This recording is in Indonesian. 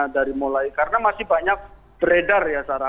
dari mulai karena masih banyak beredar ya sarah